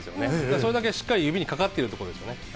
それだけしっかり指にかかっているということですよね。